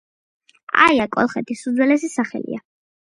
აია კოლხეთის უძველესი სახელია.